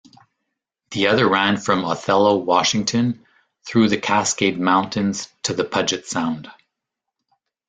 The other ran from Othello, Washington, through the Cascade Mountains to the Puget Sound.